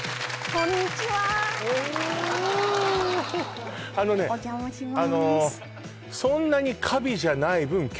こんにちはおおあのねあのお邪魔します